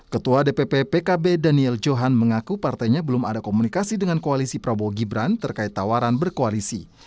ketua dpp pkb daniel johan mengaku partainya belum ada komunikasi dengan koalisi prabowo gibran terkait tawaran berkoalisi